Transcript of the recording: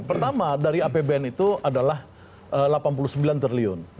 pertama dari apbn itu adalah rp delapan puluh sembilan triliun